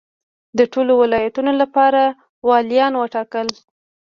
د ټولو ولایتونو لپاره والیان وټاکل.